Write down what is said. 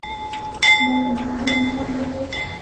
دلته مذهبونو زغم درلود